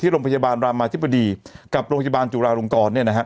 ที่โรงพยาบาลรามาธิบดีกับโรงพยาบาลจุฬาหลวงกร